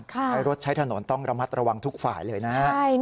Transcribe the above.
ใช้รถใช้ถนนต้องระมัดระวังทุกฝ่ายเลยนะ